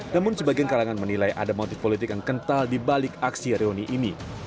namun sebagian kalangan menilai ada motif politik yang kental dibalik aksi reuni ini